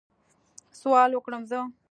سوال وکړم زه؟